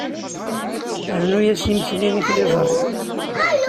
Rnu-as imesli i tliẓri.